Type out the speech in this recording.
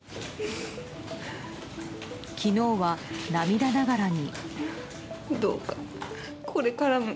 昨日は涙ながらに。